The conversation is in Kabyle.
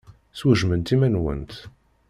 Swejdemt iman-nwent.